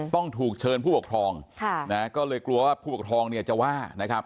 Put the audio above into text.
ต้องถูกเชิญผู้ปกครองก็เลยกลัวว่าผู้ปกครองเนี่ยจะว่านะครับ